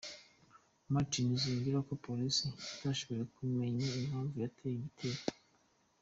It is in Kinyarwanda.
martins yongeyeho ko polisi itashoboye kumenya impamvu yateye igitero.